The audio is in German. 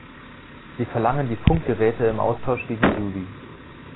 Sie verlangen die Funkgeräte im Austausch gegen Judy.